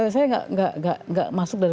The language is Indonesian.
saya tidak masuk